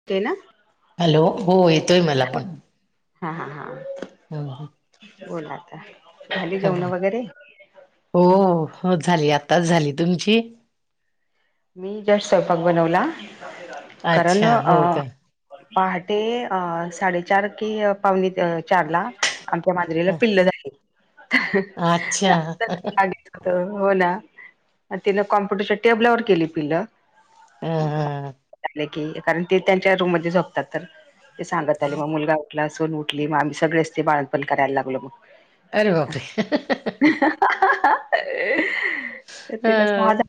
Okay. ना hello हो. येतोय. मला पण हा. हा. हा हम् ह [unintelligible] बोलाताई झाली. जेवन वगैरे हो. हो. झाली. आत्ताच झाली. तुमची मी जस्ट स्वयंपाक बनवला. कारण अच्छा हो का पहाटे अ साडेचार ते पावन्ह त चार ला. आमच्या मांजरीला हं. पिल्ल झाले. अच्छा आ हो. ना तिन कॉम्प्युटरच्या टेबलावर केली. पिलं अ कारण ते त्यांच्या रूम मध्ये झोपतात. तर ते सांगत आले मग मुलगा उठला. असून उठली मग आम्ही सगळेच ते बाळणपण करायला लागलो. मग अरे बापरे हा. हा. हा. हं.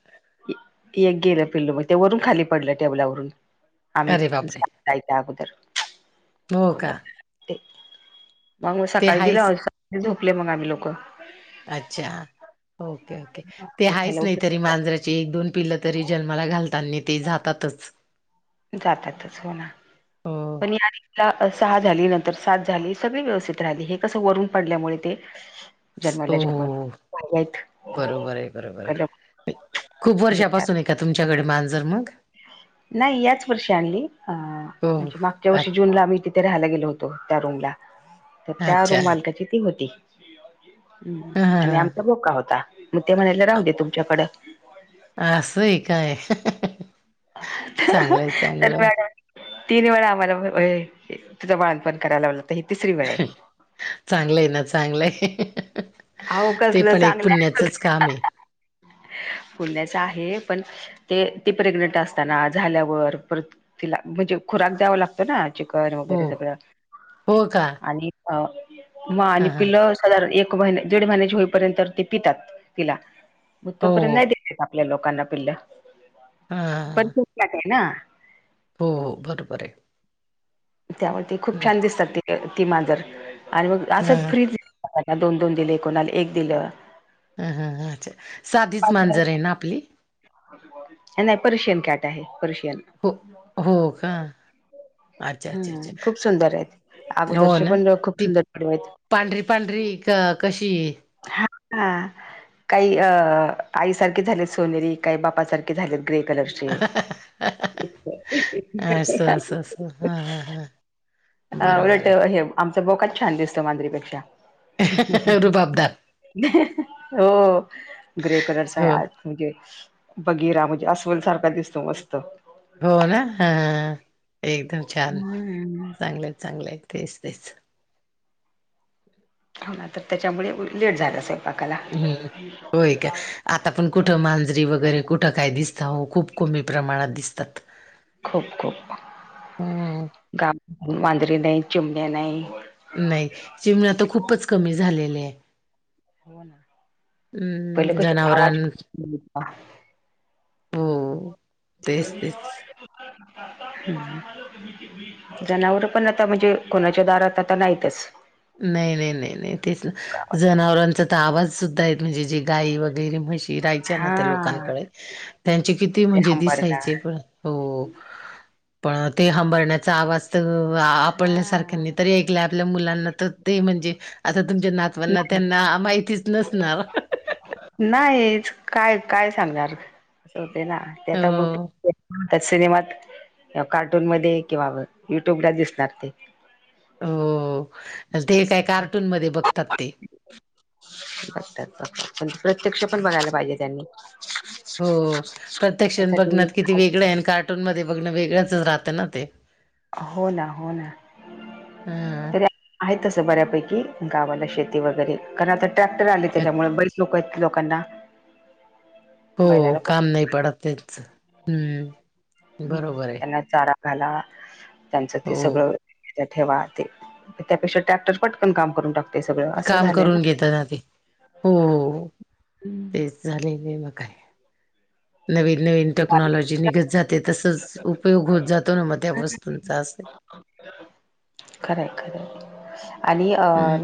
एक गेलं पिल्लुमग ते वरून खाली पडलं. टेबलावरून आम्ही. अरे बापरे आयत आगगॊदर हो. का मग ते सकाळी हायच झोपले. मग आम्ही लोक. अच्छा. ओके. ओके ते उठायला आहेाच. नाही. उशीर तरी झाला. मांजराची एक दोन पिलं तरी जन्माला घालताना. ते जातातच. जातातच. हो ना हो पण या सहा झाली नंतर. सात झाली. सगळी व्यवस्थित राहिली हे कस वरून पडल्यामुळे ते हो जन्माला हो जन्माला. बरोबर आहे बरोबर आहे खूप वर्षापासून एक तुमच्याकडे मांजर मग नाही याच वर्षी आणली. अ हो म्हणजे. माग च्या अ वर्षी जूनला आम्ही तिथे राहायला गेलो होतो. त्या रूमला तर त्या अच्छा रूम मालकाची ती होती. हा ह् आणि आमचा हा बोका होता. मी ते म्हणाला. राहू दे तुमच्याकडं. अस हाय काय. चांगलंय तर चांगलंय म [inaudible] तीन वेळा आम्हाला तुझं बाणपण करायला. लावलं तर ह. तिसरी वेळा चांगलंय ना चांगलंय. अहो ते कसलं पण एक पुण्याचच काम आहे. बोपण्याचं आहे. पण ते ती प्रेग्नेंट असताना झाल्यावर वर तिला म्हणजे खुरक द्यावा लागत. ना चिकन हो वगैरे सगळं हो का आणि मग हा आणि हा पिल साधारण एक महिने दीड महिन्या होईपर्यंत ते पितात तिला. हो तोपर्यंत हो नाय दिसत आपल्या लोकांना पिल्लं. हा हा. पण कुठला काय ना. हो हो बरोबर हाय. त्यामुळे ते खूप छान दिसतात ते ती मांजर आणि मग असंच हां फ्रीज कोणाला दोन दोन दिले कोणाला एक दिलं. हम हम हम अच्छा साधीच मांजर आहे ना आपली. नाय पर्शियन कॅट आहे पर्शियन. हो हो का. अच्छा अच्छा अच्छा हम् खूप सुंदर आहे ती हो अगोदरचे ना पण लोक खूप ती सुंदर ठेवायची. पांढरी पांढरी क कशी हाय. हा हा काही अ आईसारखे झालेत सोनेरी काही बापासारखे झालेत. अ ग्रे कलर्षे [inaudible] असं असं असं हां हां हां हा बरोबर उलट हे आमचा भोकाच छान दिसतो मांजरीपेक्षा. आहे रुबाबदार हो ग्रे कलरचा हाय हो आज बगिरा म्हणजे अस्वल सारखा दिसतो मस्त. हो ना ह एकदम छान हम्म चांगले आहे चांगले आहे तेच तेच. हो ना तर त्याच्यामुळे लेट झालं सगळ. हम्म होय का. आता पण कुठं मांजरी वगैरे कुठं काय दिसता हो खूप कमी प्रमाणात दिसतात. खूप खूप हं. गा मांजरीे नाही चिमण्या नाही. नाही चिमण्या तर खूपच कमी झालेले आहे. हो ना पहिले हम्म कशी आवाज जनावरान [unintelligible] हो. तेच, तेच. हम [inaudible] जनावरा पण आता म्हणजे कोणाच्या दारात आता नाहीतच. नाही नाही नाही नाही तेच ना गावात जनावरांचा तर आवाज सुद्धा आहेत म्हणजे जे गाई वगैरे म्हशी राहायच्या ना त्या हा लोकांकडे त्यांचे किती ते म्हणजे अंबरला दिसायचे प हो पण ते हंबरण्याचा आवाज आपल्या हा सारख्यांनी तरी एकल्या आपल्या मुलांना तर ते म्हणजे आता तुमच्या नातवांना त्यांना माहितीच नसणार. नाहीच काय काय सांगणार अस होते ना ते आ बघ. हो त्या सिनेमात कार्टून मध्ये किंवा युट्यूबला दिसणार ते. हो ते काय कार्टून मध्ये बघतात ते. बघतात बघतात पण प्रत्यक्ष पण बघायला पाहिजे त्यांनी. हो प्रत्यक्षात त्यासाठी बघण्यात किती खास वेगळ आहे कार्टून मध्ये बघण वेगळंच राहतं ना ते. हो ना हो ना. ह. तरी आहे तस बऱ्यापैकी गावाला शेती वगैरे कारण आता ट्रॅक्टर आले त्याच्यामुळे बरीच लोक आहेत लोकांना हो बैलाला काम कोण- नाय पडत तेच हम्म. हम बरोबर आहे त्यांना ते चारा घाला त्यांचं हो. ते सगळं त्याच्यात ठेवा ते त्यापेक्षा ट्रॅक्टर पटकन काम करून टाकत ते काम करून घेतात आधी हो... हं. तेच. झाले म काय नवीन नवीन टेक्नॉलॉजी निघत जात ते तसच उपयोग होत जातो ना मग त्या वस्तूंचा अस. खरं हाय खरं हाय आणि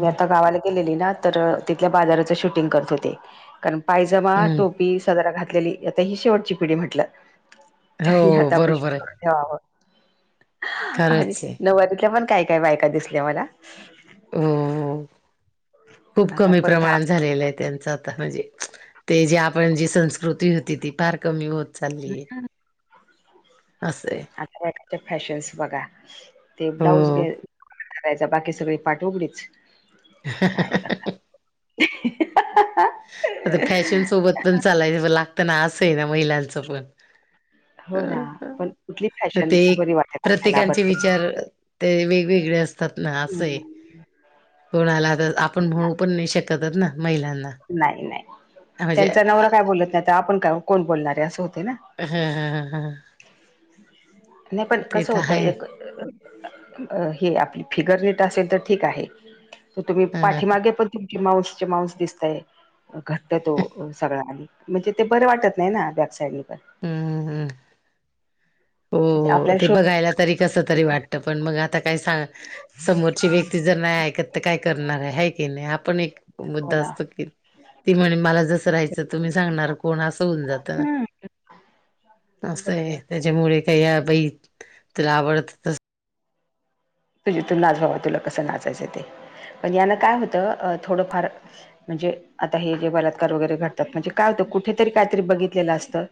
मी आता गावाला गेलेली ना तर तिथल्या बाजाराच शूटिंग करत होते. अन पायजमा हम्म टोपी सदरा घातलेली आता ही शेवटची पिढी म्हटलं तरी हो आता आपण ऑपरेशन बरोबर आहे करून ठेवावत आणि खरंच आहे नवऱ्याच्या मनातल्या पण काय काय बायका दिसल्या मला हो..... खूप आता कमी परत हा प्रमाणात झालेलं आहे त्यांचं आता म्हणजे. ते जे आपण जी संस्कृती होती ती फार कमी होत चाललीय अस आहे आत्ताच्या फॅशनस बघा ते ब्लाऊज घ हो नाहीतर बाकी सगळी पाठ उघडीच काय करणार [unintelligible] आता फॅशन सोबत पण चालाय लागत ना असंय ना महिलांचं पण अ.. हो ना पण कुठली फॅशन ते बरी वाटेल आपल्याला प्रत्येकांचे आवडते विचार ते वेगवेगळे असते असे आहे कोणाला तर आपण म्हणू पण नाही शकत ना महिलांना नाही नाही म्हणजे त्यांचा नवरा काय बोलत नाही तर आपण का कोण बोलणार आहे असं होते ना हम्म हम हम हम नाही पण कसं तर होतं आहे एक अ हे आपली फिगर रेट असेल तर ठीक आहे. तर तुम्ही ह पाठीमागे पण तुमची माऊसचे माऊस दिसताये घट्ट तो सगळा आणि म्हणजे ते बर वाटत नाही ना बॅक साईडनी पण. हम्म हम्म हम्म. हो म्हणजे हो आपल्याला ते बघायला तरी कस शोध तरी वाट त पण मग आता काय सांग समोरची व्यक्ती जर नाही ऐकत तर काय करणार आहे हाय की नाही आपण एक हो मुद्दा ना असतो की ती म्हणे मला जसं राहायचं तुम्ही सांगणार कोण असं होऊन जातं ना. हम्म असये बरोबर. त्याच्यामुळे काही ह्या बाई तुला आवडत तसं तू जी तु नाच बाबा तुला कसं नाचायचं ते पण यान काय होतं अ थोडंफार म्हणजे आता हे जे बलात्कार वगैरे घडतात म्हणजे काय होतं कुठेतरी कायतरी बघितलेलं असतं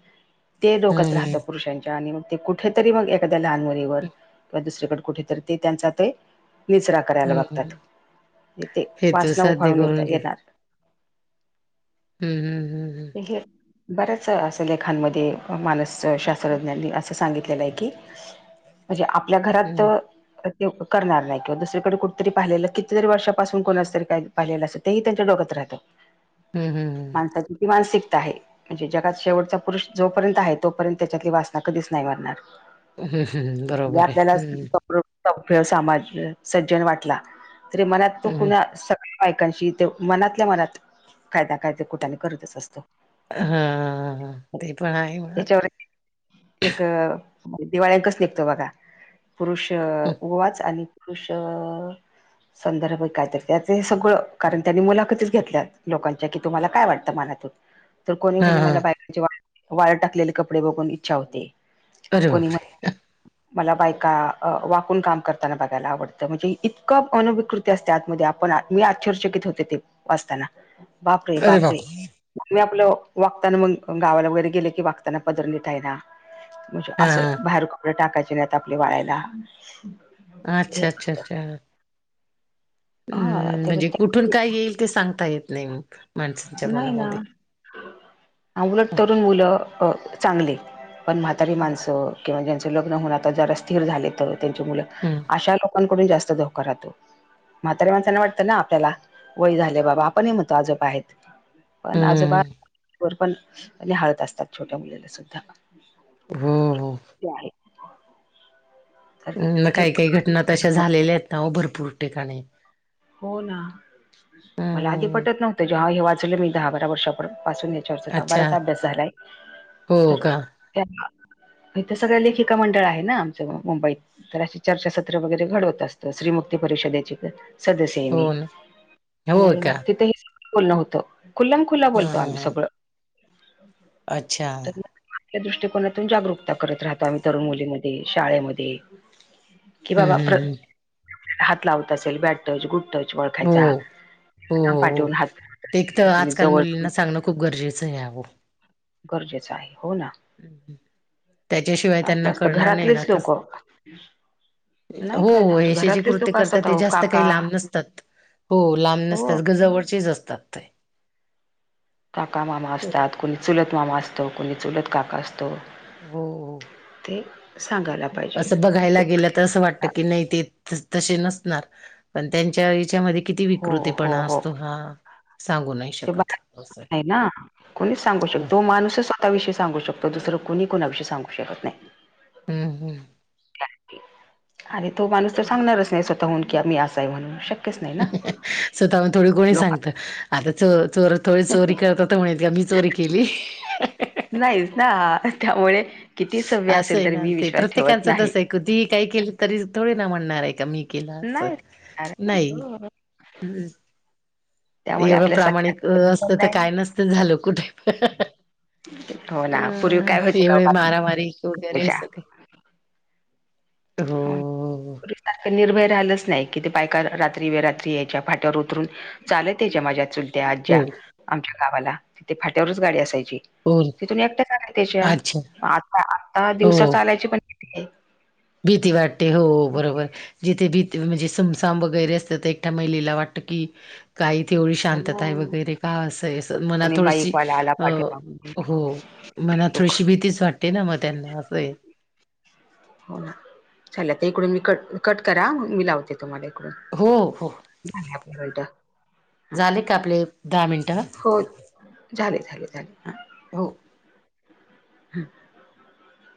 ते डोक्यात हम्म राहतं पुरुषांच्या आणि मग ते कुठेतरी मग एखाद्या लहान मुलीवर किंवा दुसरीकडे कुठे ते त्यांचा ते [unintelligible] कराला बघतात हम्म येते हेतू वासना साध्य उफाळून येता करून घेत येणार. हम्म हम्म. हे. बऱ्याच असं लेखांमध्ये मानस शास्त्रज्ञांनी असं सांगितलेलं आहे की [inaudible] म्हणजे आपल्या घरात हम्म ते करणार नाही किंवा दुसरीकडे कुठ तरी पाहिलेलं कितीतरी वर्षापासून कोणाच तरी काही पाहिलेलं असत तेही त्यांच्या डोक्यात राहतं. हम्म हम्म हम्म. माणसाची ती मानसिकता आहे. म्हणजे जगात शेवटचा पुरुष जोपर्यंत आहे तोपर्यंत त्याच्यातली वासना कधीच नाही मरणार. हम्म हम्म हम्म बरोबर आहे हम्म. प्रोड समाज सज्जन वाटला तरी मनात तो हं. कुणा सगळे बायकांशी तो मनातल्या मनात कायदा काय ते कुट्याने करतच असतो. हा हा हा ते पण आहे म्हणा. याच्यावर एक दिवाळी कस निघतो बघा पुरुष हं, गोवाच आणि पुरुष संदर्भ कायतरी त्याच हे सगळं कारण त्यांनी मुलाखतीच घेतल्या लोकांच्या की तुम्हाला काय वाटतं मनातून. [inaudible] तर कोणी म्हणे मला हां. बायकचे वाळत वाळत टाकलेले कपडे बघून इच्छा होते अरे कोणी बापरे. म्हणे मला बायका अ वाकून काम करताना बघायला आवडतं म्हणजे इतकं अनविकृत ते असते आतमध्ये आपण मी आश्चर्यचकित होते ते वाचतांना बापरे बापरे. मी आपलं वागताना मग गावाला वगैरे गेले की वागताना पदर नीट आहे ना. म्हणजे असं हां. बाहेर कपडे टाकायचे नाही आपले वाळायला. हे अच्छा अच्छा अच्छा. हा हम्म ते म्हणजे कुठून काय येईल ते सांगता येत नाही म. नाही ना उलट तरुण मुलं अ चांगले. पण म्हातारी माणसं किंवा ज्यांचं लग्न होन आता जरा स्थिर झाले त त्यांचे मुलं हं, अशा लोकांकडून जास्त धोका राहतो. म्हातार माणसाना वाटतं ना आपल्याला वय झाले बाबा आपण ही म्हणतो आजोबा आहेत. पण हं. आजोबार [unintelligible] पण न्याहाळत असतात छोट्या मुलीला सुद्धा. हो, हो. ते आहे. तर [unintelligible] हे काही काही घटना तशा झालेल्या आहेत ना हो भरपूर ठिकाणी. हो ना मला आधी हं. पटत नव्हतं जेव्हा हे वाचवलं मी दहा बारा वर्षाप पासून हे चर्चचा अच्छा. बाराच अभ्यास झालाये हो तर का? इथे सगळ्या लेखिका मंडळ आहे ना आमच्याकडे मुंबईत तर अशी चर्चासत्र वगैरे घडवत असतात स्त्री मुक्ती परिषदेची तर सदस्य आहे हो मी ना. हो त्या का? मग तिथही बोलण होत [unintelligible] खुला हं, बोलतो हं, आम्ही हं. सगळं. अच्छा. आपल्या दृष्टिकोनातून जागरूकता करत राहतो आम्ही तरुण मुलीमध्ये शाळेमध्ये. कि हं, बाबा हं, प्रत हं. हात लावत असेल बॅट टच गुड टच हो. ओळखायचा हो, हो, हो. पाटीवून हात फिरवत ते एक तर असेल कोणी आजकाल जवळ मुलींना सांगणं खूप गरजेचं आहे [unintelligible] गरजेचं आहे हो ना. त्याच्याशिवाय असं त्यांना असतं करणार नाही ना घरातलेच लोक कसं नाही हो कळणार हे अशे जे घरातलेच कृत्य लोक करतात असतात ते अहो जास्त काका काही लांब नसतात. हो लांब हो नसतात घराजवळचेच असतात ते. काका मामा बरं. असतात कोणी चुलत मामा असतो कोणी चुलत काका असतो. हो हो ते सांगायला लागत. असं बघायला गेलं तर असं वाटतं की नाही ते तशे नसणार पण त्यांच्या यांच्यामध्ये. किती हो हो विकृतीपणा हो असतो हा सांगू नये. ते बाहेर आहे ना. कोणीच सांगू शकतो माणूसच स्वतःविषयी सांगू शकतो दुसर कोणी कोणाविषयी सांगू शकत नाही. हम्म हम्म आणि तो माणूस तर सांगणारच नाही स्वतःहून की आम्ही असाय म्हणून शक स्वतःहून थोडी कोणी लोक सांगत आता चो चोर थोडी चोरी करतात. ण का मी चोरी केली. नाहीच ना त्यामुळे किती सभ्य असं असेल आहे तर ना मी ते विश्वास ठेवत प्रत्येकांचं नाही. तसं आहे कितीही काही केलं तरी थोडे ना म्हणणार आहे का मी केला असं नाही ठेवणार. नाही. हो. हम्म त्यामुळे एवढं आपल्या सख्या प्रामाणिक असतं तर काय नसतं झालं कुठे पण. हो ना पूर्वी अम काय व्हायचं का एवढे मारा मारी वगैर बातमीच्या असं काही हो पूर्वीसारखं निर्भय राहिलंच नाही कि ते बायका का रात्री व रात्री यायच्या फाट्यावर उतरून. चालत यायच्या माझ्या चुलत्या, हो आज्या आमच्या गावाला तिथे फाट्यावरच गाडी असायची. हो तिथून एकट्या चालत यायच्या अच्छा आ आता हो दिवसात चालायची पण भीती आहे. भीती वाटते हो बरोबर. जिथे भी म्हणजे सुमसाम वगैरे असत तर एकट्या महिलेला वाटत की. का इथं तेवढी शांतता आहे हो वगैरे का असं असं मनात कोणी थोडीशी बाईकवाला आला अ पाठीमागून हो मनात दुःख थोडीशी भीतीच वाटते ना मग त्यांना असं. हो ना चाल ते इकडून मी कट कट करा मी लावते. तुम्हालाकडून हो हो आपल्या [unintelligible] झाले का आपले दहा मिनिट हो झाले झाले झाले हो. [inaudible]